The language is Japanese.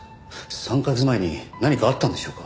３カ月前に何かあったんでしょうか？